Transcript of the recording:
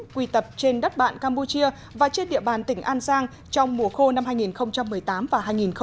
quy tập trên đất bạn campuchia và trên địa bàn tỉnh an giang trong mùa khô năm hai nghìn một mươi tám và hai nghìn một mươi chín